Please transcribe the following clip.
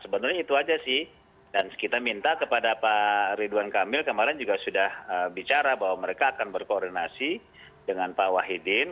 sebenarnya itu aja sih dan kita minta kepada pak ridwan kamil kemarin juga sudah bicara bahwa mereka akan berkoordinasi dengan pak wahidin